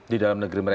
di dalam negeri mereka